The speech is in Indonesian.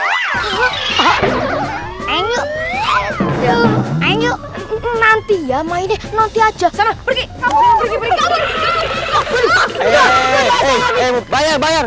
ayo ayo nanti ya main deh nanti aja sana pergi kabur kabur kabur